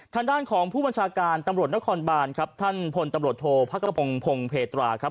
ทางด้านของผู้บัญชาการตำรวจนครบานครับท่านพลตำรวจโทษพระกระพงพงศ์เพตราครับ